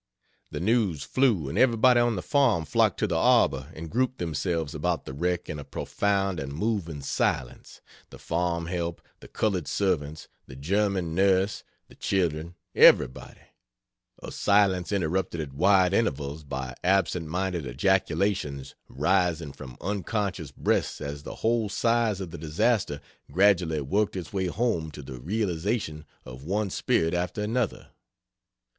The news flew, and everybody on the farm flocked to the arbor and grouped themselves about the wreck in a profound and moving silence the farm help, the colored servants, the German nurse, the children, everybody a silence interrupted at wide intervals by absent minded ejaculations wising from unconscious breasts as the whole size of the disaster gradually worked its way home to the realization of one spirit after another.